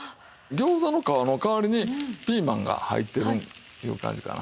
餃子の皮の代わりにピーマンが入ってるいう感じかな。